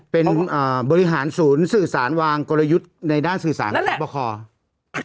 เป็นบริหารศูนย์สื่อสารวางกลยุทธ์ในด้านสื่อสารของบค